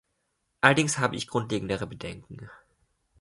Allerdings habe ich grundlegendere Bedenken.